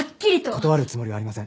断るつもりはありません。